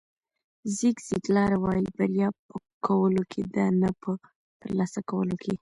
زیګ زیګلار وایي بریا په کولو کې ده نه په ترلاسه کولو.